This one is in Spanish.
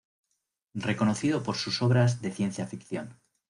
Reconocido por sus obras de ciencia ficción.